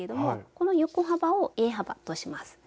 この横幅をＡ幅とします。